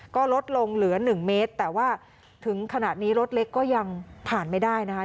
ก็ลดลงเหลือ๑เมตรแต่ว่าถึงขณะนี้รถเล็กก็ยังผ่านไม่ได้นะคะ